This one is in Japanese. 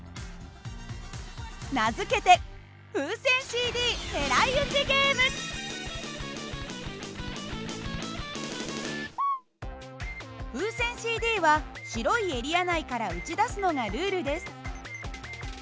名付けて風船ＣＤは白いエリア内から撃ち出すのがルールです。